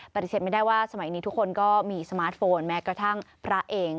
ปฏิเสธไม่ได้ว่าสมัยนี้ทุกคนก็มีสมาร์ทโฟนแม้กระทั่งพระเอง